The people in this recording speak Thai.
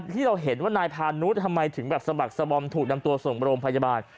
ที่เราเห็นว่านายพานุษย์ทำไมถึงแบบสะบักสะบอมถูกนำตัวส่งโรงพยาบาล